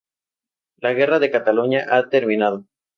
La guerra en Cataluña ha terminado"".